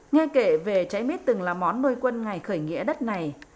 nghe kể về cháy mít từng là món nuôi quân ngày khởi nghĩa đất này